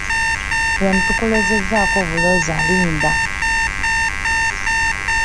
Wano tukulozezzaako buloza linda.